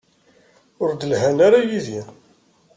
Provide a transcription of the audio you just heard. Ur d-lhan ara yid-i.